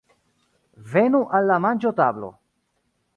Venu al la manĝotablo.